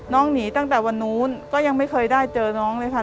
หนีตั้งแต่วันนู้นก็ยังไม่เคยได้เจอน้องเลยค่ะ